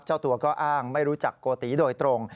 เจ้าตัวก็อ้างไม่รู้จักโกติโดยตรง